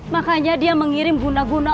makanya dia mengirim guna guna